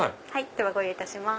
ではご用意いたします。